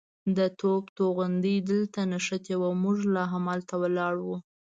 د توپ توغندی دلته نښتې وه، موږ لا همالته ولاړ وو.